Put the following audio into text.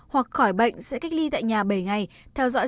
hoặc khỏi bệnh sẽ cách ly tại nhà bảy ngày theo dõi